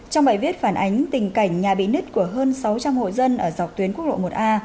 trong bài viết phản ánh tình cảnh nhà bị nứt của hơn sáu trăm linh hộ dân ở dọc tuyến quốc lộ một a